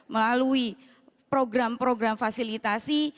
melalui program program fasilitasi